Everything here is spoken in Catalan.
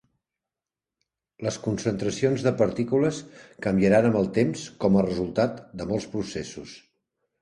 Les concentracions de partícules canviaran amb el temps com a resultat de molts processos.